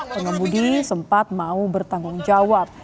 pengemudi sempat mau bertanggung jawab